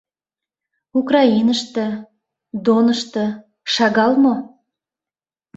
Украиныште, Донышто... шагал мо?